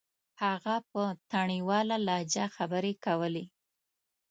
هغه په تڼيواله لهجه خبرې کولې.